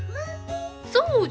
そう！